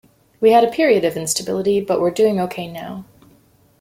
We had a period of instability but we're doing ok now.